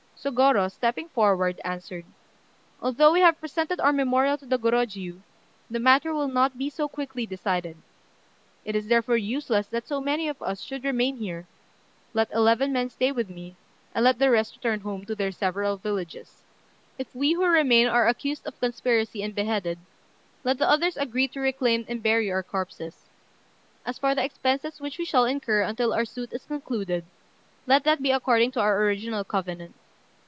Sôgorô, stepping forward, answered, "Although we have presented our memorial to the Gorôjiu, the matter will not be so quickly decided; it is therefore useless that so many of us should remain here: let eleven men stay with me, and let the rest return home to their several villages. If we who remain are accused of conspiracy and beheaded, let the others agree to reclaim and bury our corpses. As for the expenses which we shall incur until our suit is concluded, let that be according to our original covenant.